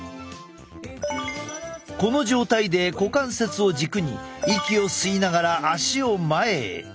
この状態で股関節を軸に息を吸いながら足を前へ。